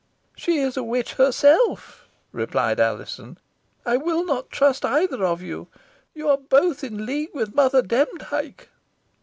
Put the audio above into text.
"She is a witch herself," replied Alizon. "I will not trust either of you. You are both in league with Mother Demdike."